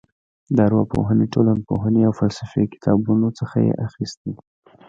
د ارواپوهنې ټولنپوهنې او فلسفې کتابونو څخه یې اخیستې.